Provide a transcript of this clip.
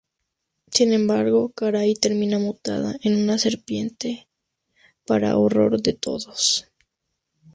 Sin embargo, Karai termina mutada en una serpiente, para horror de todos.